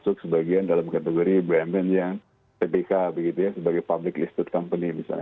sudah masuk sebagian dalam kategori bumn yang ketika begitu ya sebagai public listed company